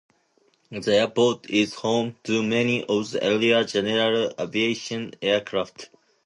The airport is home to many of the area's general aviation aircraft.